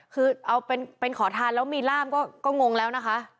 คือเอาเป็นขอทานแล้วมีร่ามก็งงแล้วนะคะ